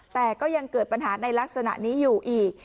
แต่ก็ยังเกิดปัญหาในลักษณะนี้อยู่อีก